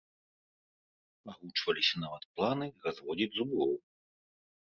Агучваліся нават планы разводзіць зуброў.